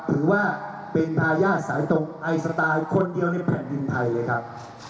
ถือว่าเป็นทายาทสายตรงไอสไตล์คนเดียวในแผ่นดินไทยเลยครับ